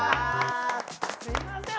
すいません